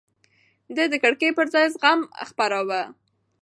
ده د کرکې پر ځای زغم خپراوه.